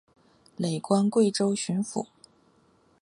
累官贵州巡抚。